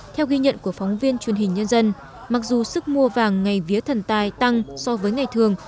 theo ghi nhận của phóng viên truyền hình nhân dân mặc dù sức mua vàng ngày vía thần tài tăng so với ngày thường